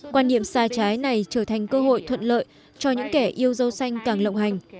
quan điểm sai trái này trở thành cơ hội thuận lợi cho những kẻ yêu rau xanh càng lộng hành